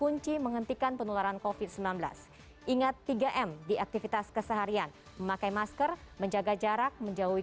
untuk informasinya semoga bermanfaat